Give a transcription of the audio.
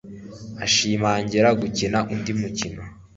Ashimangira gukina undi mukino